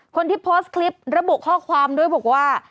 คนที่โพสต์คลิประบุข้อความด้วยบอกว่า